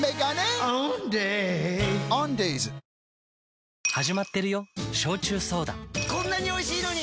メロメロこんなにおいしいのに。